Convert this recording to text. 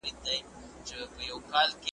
او پیر بابا پخپله .